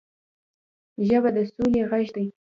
ژبه د سولې غږ دی